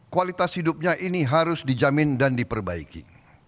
kualitas hidupnya ini harus dijamin dan diperbaiki